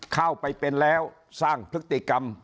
เข้าไปเป็นแล้วสร้างพฤติกรรม